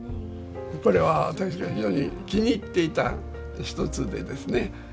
これは私が非常に気に入っていた一つでですね